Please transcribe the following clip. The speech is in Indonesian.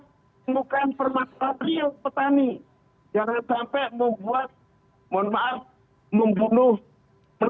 membuka permasalahan riaw petani